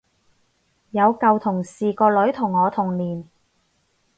有舊同事個女同我同年